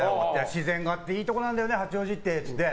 自然があっていいところなんだよねって言って。